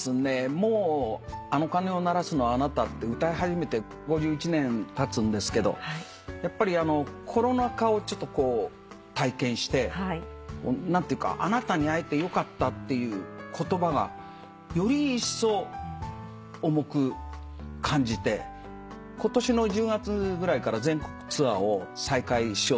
もう『あの鐘を鳴らすのはあなた』って歌い始めて５１年たつんですけどやっぱりあのコロナ禍をちょっとこう体験して何ていうか「あなたに逢えてよかった」っていう言葉がよりいっそう重く感じて今年の１０月ぐらいから全国ツアーを再開しようと思ってるんです。